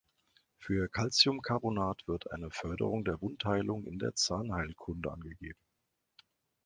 Für Calciumcarbonat wird eine Förderung der Wundheilung in der Zahnheilkunde angegeben.